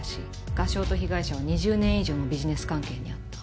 画商と被害者は２０年以上もビジネス関係にあった。